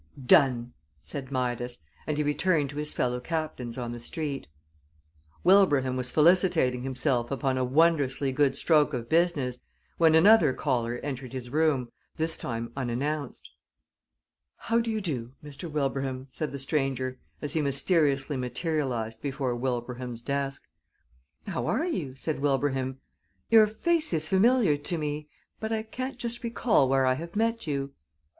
"Done!" said Midas, and he returned to his fellow captains on the Street. Wilbraham was felicitating himself upon a wondrously good stroke of business, when another caller entered his room, this time unannounced. "How do you do, Mr. Wilbraham?" said the stranger, as he mysteriously materialized before Wilbraham's desk. "How are you?" said Wilbraham. "Your face is familiar to me, but I can't just recall where I have met you."